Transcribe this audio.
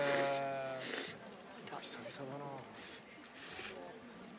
・久々だな・